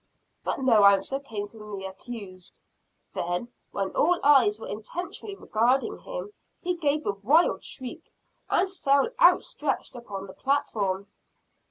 But no answer came from the accused. Then, when all eyes were intently regarding him, he gave a wild shriek, and fell outstretched upon the platform.